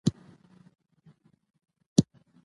ازادي راډیو د روغتیا په اړه تفصیلي راپور چمتو کړی.